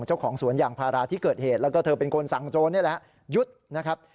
เจ้าของสวนยางพาราที่เกิดเหตุแล้วก็เธอเป็นคนสั่งโจรนี่แหละยุดนะครับ